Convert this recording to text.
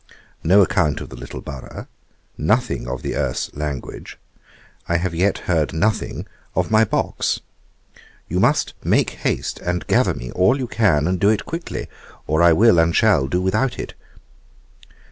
No account of the little borough. Nothing of the Erse language. I have yet heard nothing of my box. 'You must make haste and gather me all you can, and do it quickly, or I will and shall do without it.